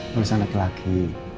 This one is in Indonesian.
bersama ke laki